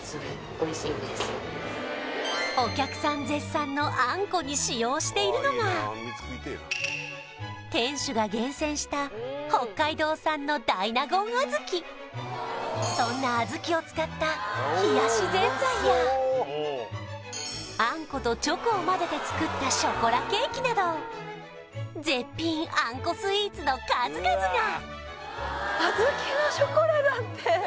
そのに使用しているのが店主が厳選したそんな小豆を使った冷やしぜんざいやあんことチョコを混ぜて作ったショコラケーキなど絶品あんこスイーツの数々が！